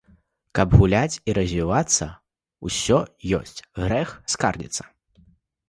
Каб гуляць і развівацца ўсё ёсць, грэх скардзіцца.